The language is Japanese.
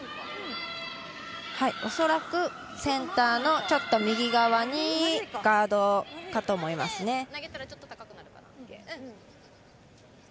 恐らくセンターのちょっと右側にガードかと思いますね。